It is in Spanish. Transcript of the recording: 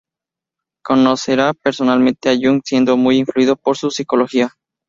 Conocerá personalmente a Jung, siendo muy influido por su psicología.